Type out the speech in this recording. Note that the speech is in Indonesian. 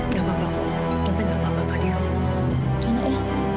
ya mama kalau bila mama ke rumah dia surface